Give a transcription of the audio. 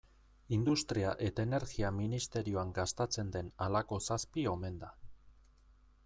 Industria eta Energia ministerioan gastatzen den halako zazpi omen da.